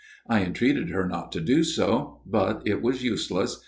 I entreated her not to do so ; but it was useless.